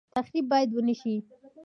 تخریب باید ونشي